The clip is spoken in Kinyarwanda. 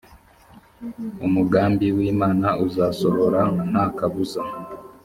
umugambi w imana uzasohora nta kabuza